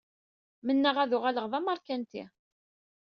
Mennaɣ ad uɣaleɣ d ameṛkanti